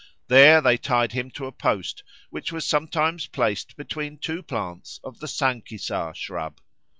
There they tied him to a post, which was sometimes placed between two plants of the sankissar shrub.